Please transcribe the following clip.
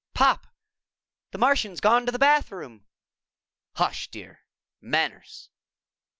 "Pop, the Martian's gone to the bathroom!" "Hush, dear. Manners."